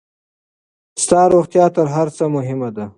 ستا روغتيا تر هر څۀ مهمه ده.